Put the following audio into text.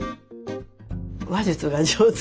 話術が上手。